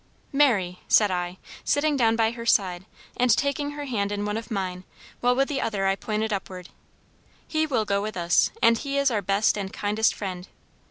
"Mary," said I; sitting down by her side, and taking her hand in one of mine, while with the other I pointed upward, "He will go with us, and He is our best and kindest friend.